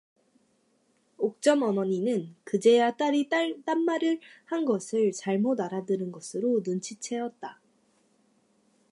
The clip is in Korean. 옥점 어머니는 그제야 딸이 딴말을 한 것을 잘못 알아들은 것으로 눈치채었다.